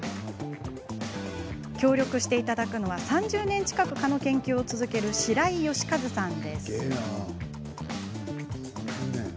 協力していただくのは３０年近く蚊の研究を続ける白井良和さんです。